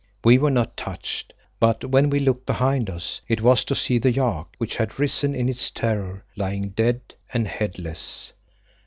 We were not touched, but when we looked behind us it was to see the yak, which had risen in its terror, lying dead and headless.